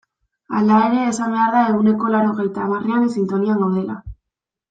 Hala ere, esan behar da ehuneko laurogeita hamarrean sintonian gaudela.